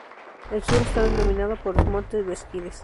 El sur está dominado por los montes Beskides.